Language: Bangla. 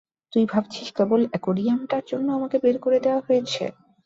তুই ভাবছিস কেবল অ্যাকোরিয়াম টার জন্য আমাকে বের করে দেয়া হয়েছে?